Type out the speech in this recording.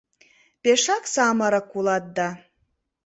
— Пешак самырык улат да...